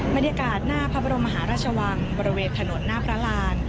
บรรยากาศหน้าพระบรมมหาราชวังบริเวณถนนหน้าพระราน